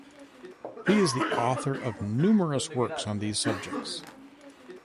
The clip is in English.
He is the author of numerous works on these subjects.